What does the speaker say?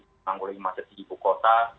menanggulangi macet di ibu kota